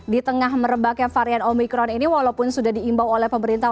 di tengah merebaknya varian omikron ini walaupun sudah diimbau oleh pemerintah